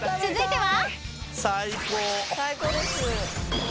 ［続いては］